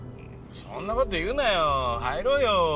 そんなこと言うなよ入ろうよ。